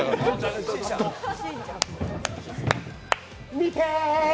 見て！